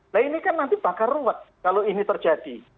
nah ini kan nanti bakar ruwet kalau ini terjadi